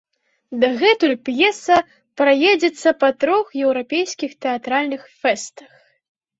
Дагэтуль п'еса праедзецца па трох еўрапейскіх тэатральных фэстах.